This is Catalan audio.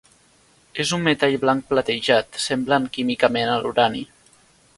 És un metall blanc platejat, semblant químicament a l'urani.